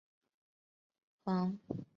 黄宗羲是他的老师。